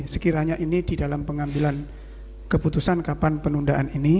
sekiranya ini di dalam pengambilan keputusan kapan penundaan ini